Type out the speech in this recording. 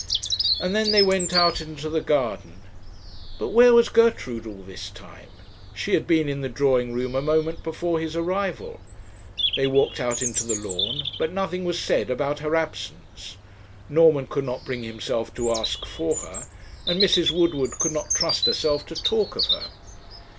And then they went out into the garden. But where was Gertrude all this time? She had been in the drawing room a moment before his arrival. They walked out into the lawn, but nothing was said about her absence. Norman could not bring himself to ask for her, and Mrs. Woodward could not trust herself to talk of her.